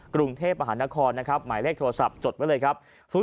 กรุงเทพฯอาหารนครนะครับหมายเลขโทรศัพท์จดไว้เลยครับ๐๒๒๔๘๕๑๑๕